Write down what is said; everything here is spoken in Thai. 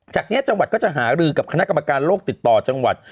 จากนี้จังหวัดก็จะหารือกับคณะกรรมการโลกติดต่อจังหวัด